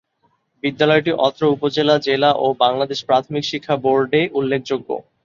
বিদ্যালয়টি অত্র উপজেলা, জেলা ও বাংলাদেশ প্রাথমিক শিক্ষা বোর্ডে উল্লেখযোগ্য।